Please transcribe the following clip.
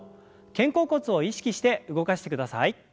肩甲骨を意識して動かしてください。